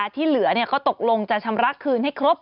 ที่เหลือเขาตกลงจะชำระคืนให้ครบ